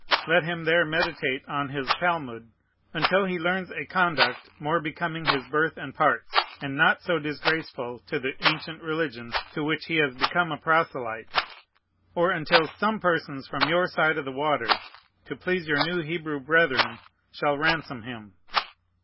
Let him there meditate on his Talmud, until he learns a conduct more becoming his birth and parts, and not so disgraceful to the ancient religion to which he has become a proselyte, or until some persons from your side of the water, to please your new Hebrew brethren, shall ransom him.